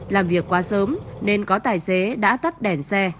làm việc quá sớm nên có tài xế đã tắt đèn xe